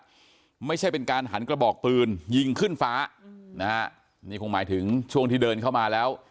ไม่ใช่เป็นการหันกระบอกปืนยิงขึ้นฟ้าอืมนะฮะนี่คงหมายถึงช่วงที่เดินเข้ามาแล้ว